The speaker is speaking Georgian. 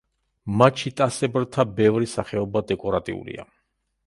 მაჩიტასებრთა ბევრი სახეობა დეკორატიულია.